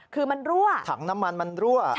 คือมันรั่วถังน้ำมันมันรั่ว